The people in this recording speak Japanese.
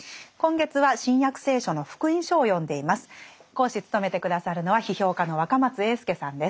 講師務めて下さるのは批評家の若松英輔さんです。